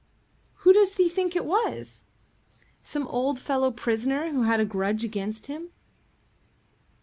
"Who does he think it was?" "Some old fellow prisoner who had a grudge against him."